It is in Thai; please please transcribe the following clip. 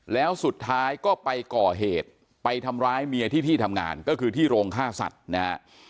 แล้วสุดท้ายก็ไปก่อเหตุไปทำร้ายเมียที่ที่ทำงานก็คือที่โรงฆ่าสัตว์นะฮะ